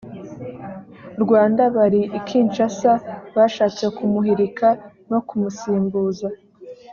rwanda bari i kinshasa bashatse kumuhirika no kumusimbuza